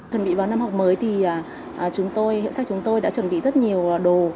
khi chuẩn bị vào năm học mới thì hiệu sách chúng tôi đã chuẩn bị rất nhiều đồ